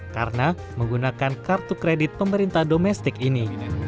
karena menggunakan kartu kredit pemerintah domestik ini